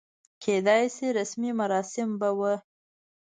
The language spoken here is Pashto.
کېدای شي رسمي مراسم به و.